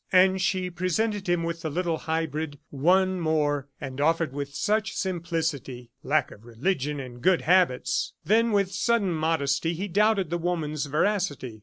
And she presented him with the little hybrid. One more, and offered with such simplicity! ... "Lack of religion and good habits!" Then with sudden modesty, he doubted the woman's veracity.